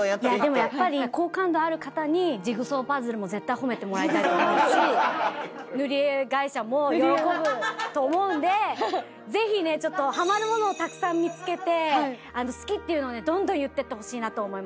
でもやっぱり好感度ある方にジグソーパズルも絶対褒めてもらいたいと思うしぬりえ会社も喜ぶと思うのでぜひねちょっとハマるものをたくさん見付けて好きっていうのをねどんどん言ってってほしいなと思います。